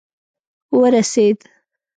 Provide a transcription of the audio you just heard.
ورسېد.